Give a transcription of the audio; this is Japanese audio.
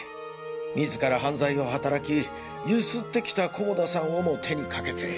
自ら犯罪を働きゆすってきた菰田さんをも手にかけて。